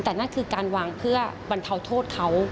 แต่นั่นคือการวางเพื่อบรรเทาโทษเขา